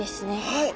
はい。